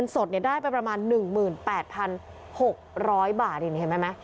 สดได้ไปประมาณ๑๘๖๐๐บาทนี่เห็นไหม